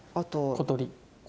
小鳥。